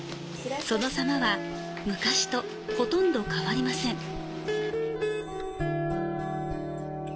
そのさまは、昔とほとんど変わりません。